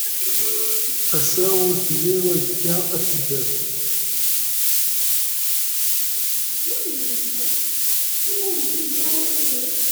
Ass-a tulid, azekka ad tadred.